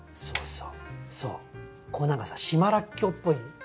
そうそうそうこれ何かさ島らっきょうっぽい。